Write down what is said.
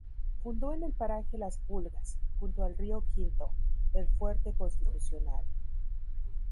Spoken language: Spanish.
Fundó en el paraje Las Pulgas, junto al río Quinto, el Fuerte Constitucional.